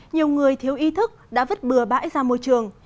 nhiều người thiếu ý thức đã vứt bừa bãi ra môi trường